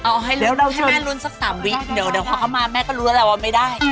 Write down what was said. เอาให้แม่ลุ้นสัก๓วิเดี๋ยวพอเข้ามาแม่ก็รู้แล้วว่าไม่ได้